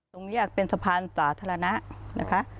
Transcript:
ตรงนี้เป็นสะพานสาธารณะนะคะ